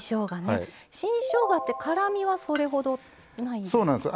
新しょうがって辛みは、それほどないですね？